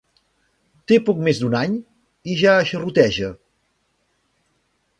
Té poc més d'un any i ja xerroteja.